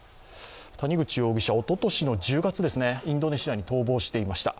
谷口容疑者、おととしの１０月、インドネシアに逃亡していました。